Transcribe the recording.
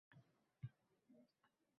Sergey Gorodetskiyga